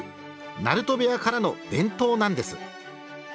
鳴戸部屋からの伝統なんです。